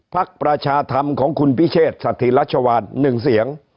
ประชาธรรมของคุณพิเชษสถิรัชวาน๑เสียง